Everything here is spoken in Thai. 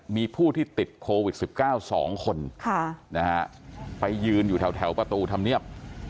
มีผู้ที่ติดโควิด๑๙๒คนไปยืนอยู่แถวประตูธรรมเนียบ